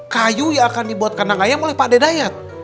kayu yang akan dibuat kandang kandang oleh pak d dayat